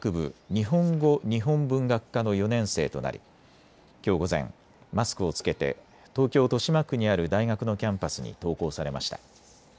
日本語日本文学科の４年生となりきょう午前、マスクを着けて東京豊島区にある大学のキャンパスに登校されました。